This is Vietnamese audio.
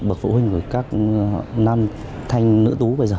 để mỗi người nêu cầu